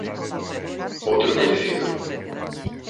Outro coñecido.